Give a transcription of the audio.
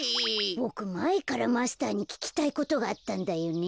ボクまえからマスターにききたいことがあったんだよね。